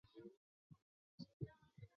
该寺庙的东面是瓦苏基纳特。